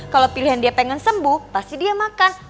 kalau pilihan dia pengen sembuh pasti dia makan